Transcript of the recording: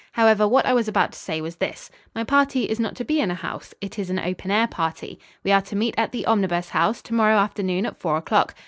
"However, what I was about to say was this: My party is not to be in a house. It is an open air party. We are to meet at the Omnibus House, to morrow afternoon at four o'clock.